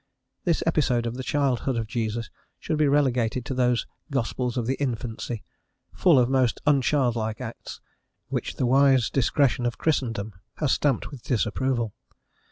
This episode of the childhood of Jesus should be relegated to those "gospels of the infancy" full of most unchildlike acts, which the wise discretion of Christendom has stamped with disapproval.